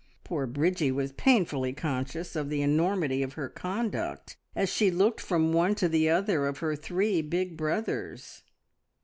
Poor Bridgie was painfully conscious of the enormity of her conduct as she looked from one to the other of her three big brothers.